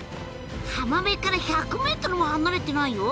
浜辺から１００ｍも離れてないよ？